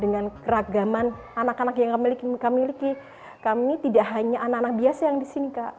dengan keragaman anak anak yang mereka miliki kami tidak hanya anak anak biasa yang di sini kak